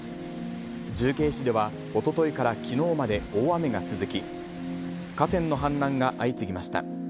重慶市では、おとといからきのうまで、大雨が続き、河川の氾濫が相次ぎました。